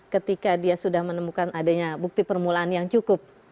ketika dia sudah menemukan adanya bukti permulaan yang cukup